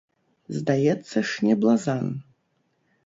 Здаецца ж, не блазан.